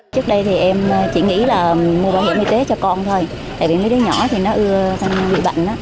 trước đây thì em chỉ nghĩ là mua bảo hiểm y tế cho con thôi tại vì mấy đứa nhỏ thì nó ưa xanh bị bệnh